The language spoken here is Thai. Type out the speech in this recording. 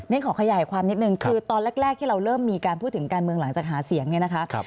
นี่ขอขยายความนิดนึงคือตอนแรกที่เราเริ่มมีการพูดถึงการเมืองหลังจากหาเสียงเนี่ยนะคะ